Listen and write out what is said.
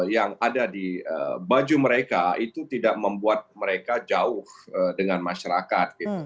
yang ada di baju mereka itu tidak membuat mereka jauh dengan masyarakat